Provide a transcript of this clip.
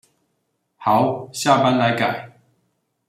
好，下班來改